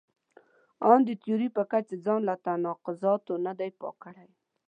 ان د تیوري په کچه ځان له تناقضاتو نه دی پاک کړی.